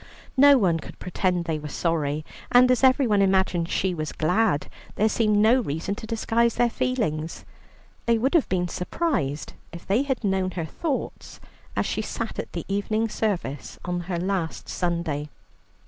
No one could pretend they were sorry, and as everyone imagined she was glad, there seemed no reason to disguise their feelings. They would have been surprised if they had known her thoughts as she sat at the evening service on her last Sunday.